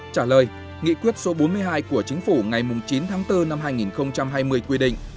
trả lời nghị quyết số bốn mươi hai của chính phủ ngày chín tháng bốn năm hai nghìn hai mươi quy định